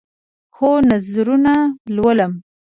هو، نظرونه لولم